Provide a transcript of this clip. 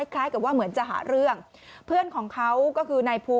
คล้ายกับว่าเหมือนจะหาเรื่องเพื่อนของเขาก็คือนายภู